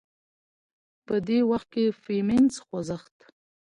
په دې وخت کې د فيمينزم خوځښت